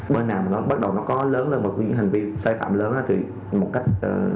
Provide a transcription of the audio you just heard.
bên nào mà nó bắt đầu nó có lớn lên và những hành vi sai phạm lớn thì một cách